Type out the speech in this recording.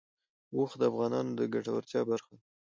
اوښ د افغانانو د ګټورتیا برخه ده.